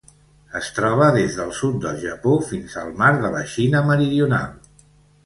Es troba des del sud del Japó fins al Mar de la Xina Meridional.